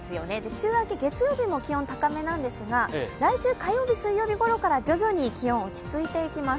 週明け月曜日も気温が高めなんですが、来週火曜日、水曜日ごろから徐々に気温は落ち着いてきます。